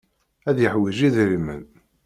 Ad yeḥwij idrimen.